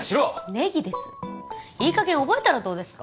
ネギですいいかげん覚えたらどうですか？